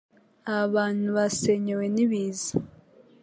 aba bantu basenyewe nibiza